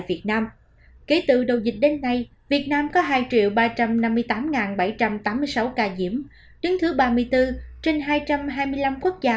việt nam kể từ đầu dịch đến nay việt nam có hai ba trăm năm mươi tám bảy trăm tám mươi sáu ca nhiễm đứng thứ ba mươi bốn trên hai trăm hai mươi năm quốc gia